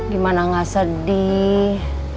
gimana gak sedih